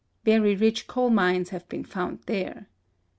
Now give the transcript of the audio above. Very rich coal mines have been found there.